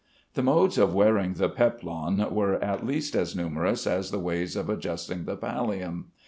The modes of wearing the peplon were at least as numerous as the ways of adjusting the pallium.